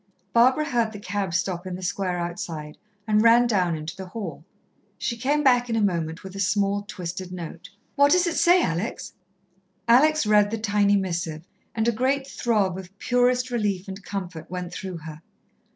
Barbara heard the cab stop in the square outside, and ran down into the hall. She came back in a moment with a small, twisted note. "What does it say, Alex?" Alex read the tiny missive, and a great throb of purest relief and comfort went through her.